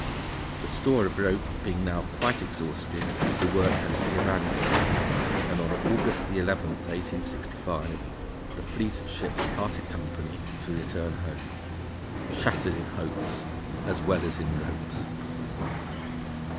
The store of rope being now quite exhausted, the work had to be abandoned, and on August 11, 1865, the fleet of ships parted company to return home shattered in hopes as well as in ropes!